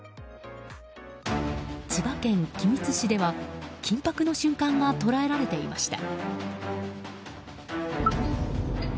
千葉県君津市では緊迫の瞬間が捉えられていました。